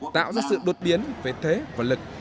tạo ra sự đột biến phế thế và lực